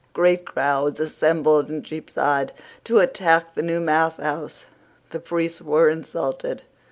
Great crowds assembled in Cheapside to attack the new mass house. The priests were insulted.